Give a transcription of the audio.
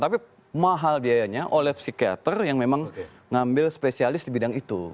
tapi mahal biayanya oleh psikiater yang memang ngambil spesialis di bidang itu